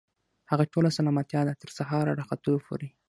هغه ټوله سلامتيا ده، تر سهار راختلو پوري